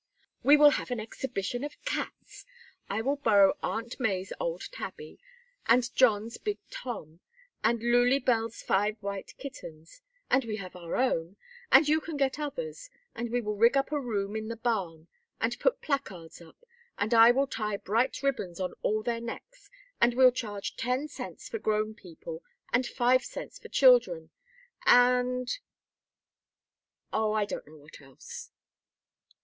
"We will have an exhibition of cats. I will borrow Aunt May's old tabby, and John's big Tom, and Lulie Bell's five white kittens, and we have our own, and you can get others, and we will rig up a room in the barn, and put placards up, and I will tie bright ribbons on all their necks, and we'll charge ten cents for grown people and five cents for children, and oh, I don't know what else."